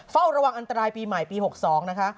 เฝ้าระวังอันตรายปีใหม่ปี๖๒นะคะ